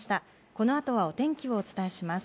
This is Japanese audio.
このあとはお天気をお伝えします。